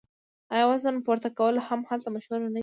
آیا وزنه پورته کول هم هلته مشهور نه دي؟